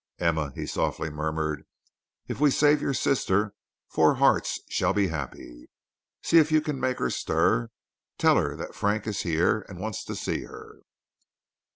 "Emma," he softly murmured, "if we save your sister, four hearts shall be happy. See if you can make her stir. Tell her that Frank is here, and wants to see her."